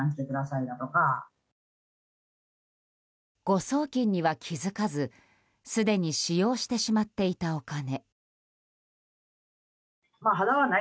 誤送金には気づかず、すでに使用してしまっていたお金。